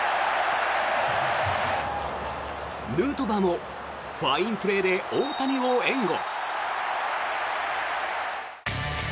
ヌートバーもファインプレーで大谷を援護。